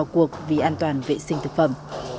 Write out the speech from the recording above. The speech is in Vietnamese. cuộc vì an toàn vệ sinh thực phẩm